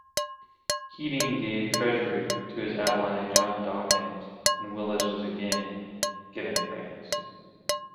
Keating gave Treasury to his ally John Dawkins and Willis was again given Finance.